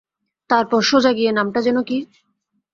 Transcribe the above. তারপর সোজা গিয়ে, নামটা যেন কি?